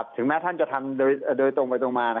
ถึงแม้ท่านจะทำโดยตรงไปตรงมา